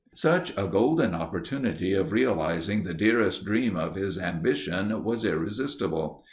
Such a golden opportunity of realizing the dearest dream of his ambition was irresistible.